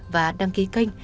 và đăng ký kênh